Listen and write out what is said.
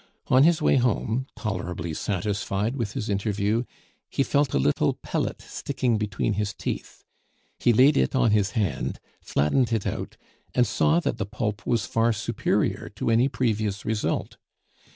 On his way home, tolerably satisfied with his interview, he felt a little pellet sticking between his teeth. He laid it on his hand, flattened it out, and saw that the pulp was far superior to any previous result.